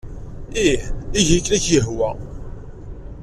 Ihi eg akken ay ak-yehwa.